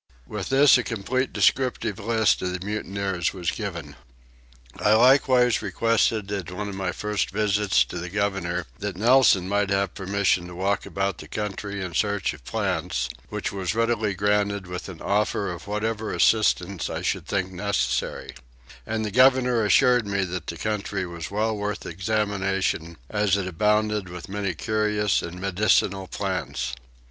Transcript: With this a complete descriptive list of the mutineers was given. I likewise requested in one of my first visits to the governor that Nelson might have permission to walk about the country in search of plants, which was readily granted with an offer of whatever assistance I should think necessary: and the governor assured me that the country was well worth examination as it abounded with many curious and medicinal plants.